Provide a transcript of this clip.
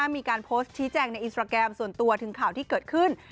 มีการโพสต์ชี้แจงในอินสตราแกรมส่วนตัวถึงข่าวที่เกิดขึ้น